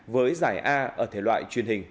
với giải a ở thể loại truyền hình